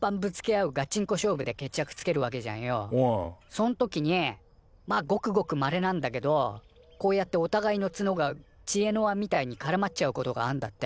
そん時にまあごくごくまれなんだけどこうやっておたがいのツノが知恵の輪みたいにからまっちゃうことがあんだって。